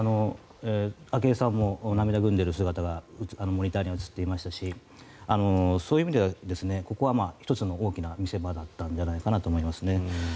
昭恵さんも涙ぐんでいる姿がモニターに映っていましたしそういう意味ではここは１つの大きな見せ場だったんじゃないかと思いますね。